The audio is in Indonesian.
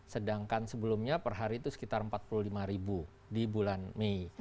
sedangkan sebelumnya per hari itu sekitar empat puluh lima ribu di bulan mei